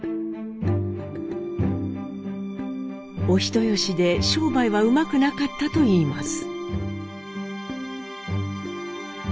お人よしで商売はうまくなかったといいます。